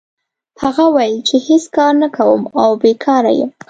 هغه وویل چې هېڅ کار نه کوم او بیکاره یم.